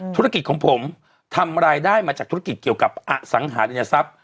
ธุรกิจของผมทำรายได้มาจากธุรกิจเกี่ยวกับอสังหาริยทรัพย์